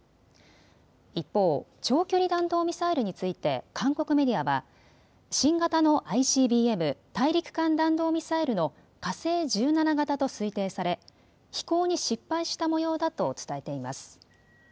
一方、長距離弾道ミサイルについて韓国メディアは新型のＩＣＢＭ・大陸間弾道ミサイルの火星１７型と推定され飛行に失敗したもようだと伝えています。